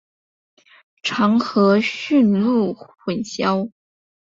常和驯鹿混淆。